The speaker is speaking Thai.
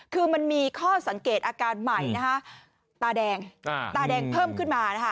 คือมันมีข้อสังเกตอาการใหม่นะคะตาแดงตาแดงเพิ่มขึ้นมานะคะ